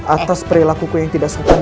atas perilakuku yang tidak suka